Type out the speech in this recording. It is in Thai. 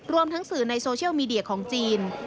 ทั้งสื่อในโซเชียลมีเดียของจีน